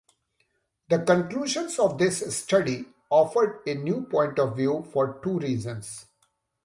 The conclusions of this study offered a new point of view for two reasons.